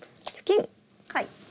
はい。